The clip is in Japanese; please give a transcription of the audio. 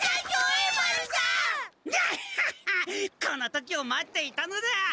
この時を待っていたのだ！